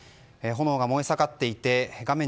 炎が燃え盛っていて画面